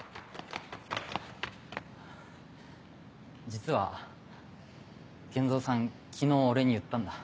実は玄三さん昨日俺に言ったんだ。